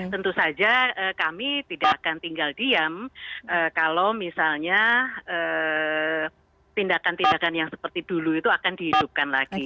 tentu saja kami tidak akan tinggal diam kalau misalnya tindakan tindakan yang seperti dulu itu akan dihidupkan lagi